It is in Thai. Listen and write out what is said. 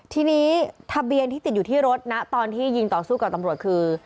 ทีนี้ทะเบียนที่ติดอยู่ที่รถนะตอนที่ยิงต่อสู้กับตำรวจคือ